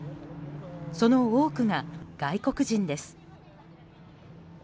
その多くが外国人です。